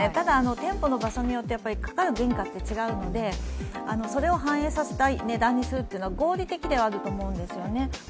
店舗の場所によってかかる原価が違うので、それを反映させたい値段にするというのは合理的ではあると思うんですよね。